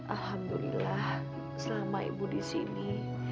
alhamdulillah selama ibu di sini